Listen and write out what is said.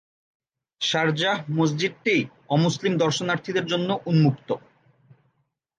Sharjah মসজিদটি অমুসলিম দর্শনার্থীদের জন্য উন্মুক্ত।